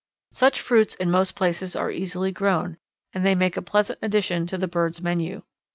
Such fruits in most places are easily grown, and they make a pleasant addition to the birds' menu.